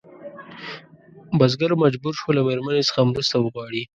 بزګر مجبور شو له مېرمنې څخه مرسته وغواړي.